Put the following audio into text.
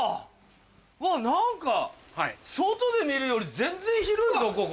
うわ何か外で見るより全然広いぞここ。